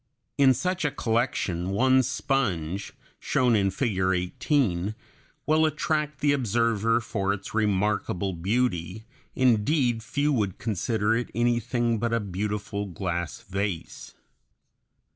In such a collection one sponge, shown in Figure 18, will attract the observer for its remarkable beauty; indeed few would consider it anything but a beautiful glass vase.